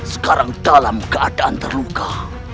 sekarang dalam keadaan terluka